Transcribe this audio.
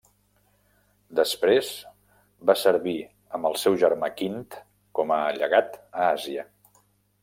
Després va servir amb el seu germà Quint com a llegat a Àsia.